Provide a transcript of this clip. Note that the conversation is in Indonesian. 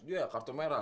dia kartu merah